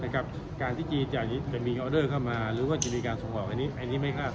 การที่จีนจะมีออเดอร์เข้ามาหรือว่ามีการส่งออก